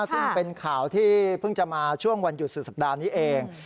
ซึ่งเป็นข่าวที่เพิ่งจะมาช่วงวันหยุดสุดสัปดาห์นี้เอง